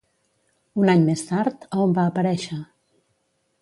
Un any més tard, a on va aparèixer?